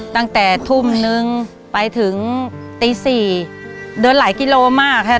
ตั้งแต่ทุ่มนึงไปถึงตี๔เดินหลายกิโลมากค่ะ